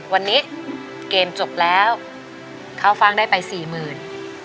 วันนี้เกมจบแล้วข้าวฟ่างได้ไป๔๐๐๐๐บาท